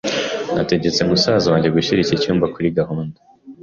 Nategetse musaza wanjye gushyira iki cyumba kuri gahunda.